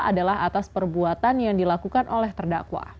adalah atas perbuatan yang dilakukan oleh terdakwa